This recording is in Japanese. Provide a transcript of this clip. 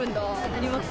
あります。